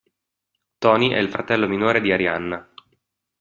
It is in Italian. Tony è il fratello minore di Arianna.